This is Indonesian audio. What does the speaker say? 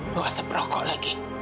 tidak ada yang menolong lagi